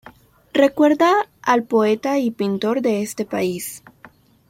Recuerda al poeta y pintor de este país.